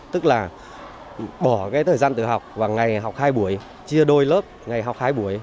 tức là bỏ cái thời gian tự học và ngày học hai buổi chia đôi lớp ngày học hai buổi